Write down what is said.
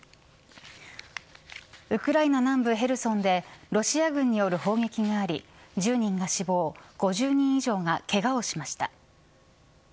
ウクライナ南部ヘルソンでロシア軍による砲撃があり１０人が死亡、５０人以上がけがをしました。